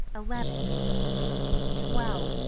Eleven! Twelve!